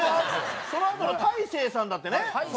そのあとの大勢さんだってね